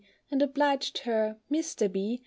and obliged her Mr. B.